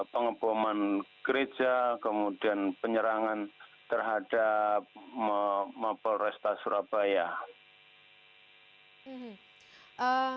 pengeboman gereja kemudian penyerangan terhadap mabalresta surabaya